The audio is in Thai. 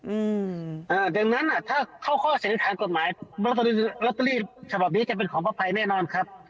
อืออ่าดังนั้นอ่ะถ้าเข้าข้อสัญลักษณ์กฎหมายร็อเตอรี่ร็อเตอรี่ฉบับนี้จะเป็นของพระภัยแน่นอนครับ